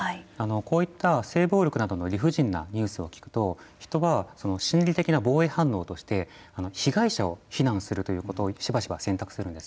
こういった性暴力などの理不尽なニュースを聞くと人は心理的な防衛反応として被害者を非難するということをしばしば選択するんです。